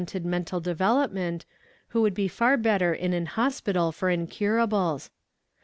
Nor do mental development, who would be far better in an hospital for incurables.